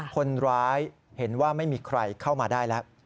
คนร้ายเห็นว่าไม่มีใครเข้ามาได้แล้ว